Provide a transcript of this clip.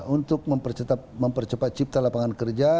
untuk mempercepat cipta lapangan kerja